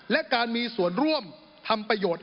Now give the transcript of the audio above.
และการมีส่วนร่วมทำประโยชน์